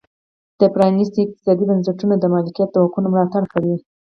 پرانیستي اقتصادي بنسټونه د مالکیت د حقونو ملاتړ کوي.